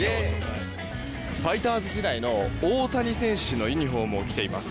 ファイターズ時代の大谷選手のユニホームを着ています。